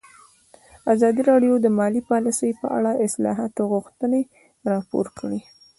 ازادي راډیو د مالي پالیسي په اړه د اصلاحاتو غوښتنې راپور کړې.